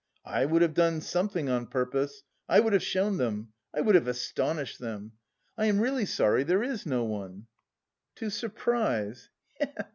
I would have done something on purpose... I would have shown them! I would have astonished them! I am really sorry there is no one!" "To surprise! He he!